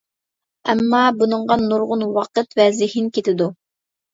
ئەمما، بۇنىڭغا نۇرغۇن ۋاقىت ۋە زېھىن كېتىدۇ.